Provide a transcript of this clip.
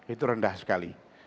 itu rendah sekali